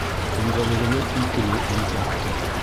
Көндәлегенә «икеле» инеп ятты.